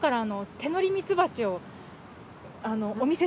手乗りミツバチ？